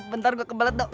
bentar gua kembalat dok